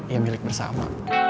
ya milik bersama